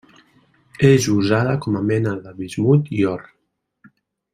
És usada com a mena de bismut i or.